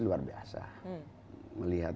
luar biasa melihat